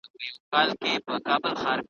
ما خو له خلوته لا پخوا توبه ایستلې وه `